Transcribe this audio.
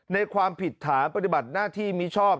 ความผิดฐานปฏิบัติหน้าที่มิชอบ